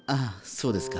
そうですか。